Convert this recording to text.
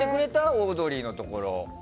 オードリーのところ。